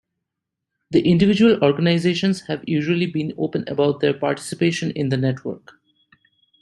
The individual organizations have usually been open about their participation in the network.